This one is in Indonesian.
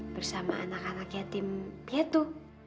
bersama anak anak yatim yatu